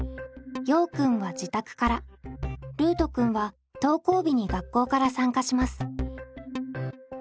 ようくんは自宅からルートくんは登校日に学校から参加します。